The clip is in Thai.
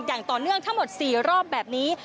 อย่างต่อเนื่องทั้งหมด๔รอบแบบนี้